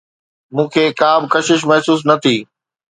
مون کي ڪا به ڪشش محسوس نه ٿي.